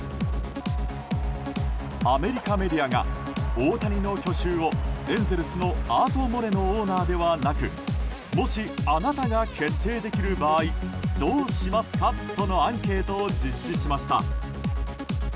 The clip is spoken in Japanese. アメリカメディアが大谷の去就をエンゼルスのアート・モレノオーナーではなくもし、あなたが決定できる場合どうしますか？とのアンケートを実施しました。